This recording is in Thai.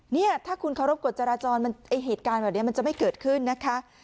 เนี่ยถ้าคุณเคารพกฎจราจรเหตุการณ์แบบนี้มันจะไม่เกิดขึ้นนะคะ